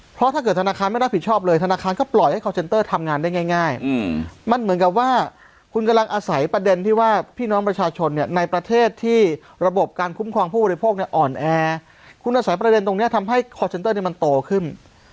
เพราะว่าพวกเนี่ยอ่อนแอคุณอาศัยประเทศตรงนี้ทำให้คอร์เซ็นเตอร์เนี่ยมันโตขึ้น